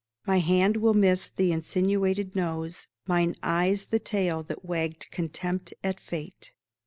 My hand will miss the insinuated nose, Mine eyes the tail that wagged contempt at Fate.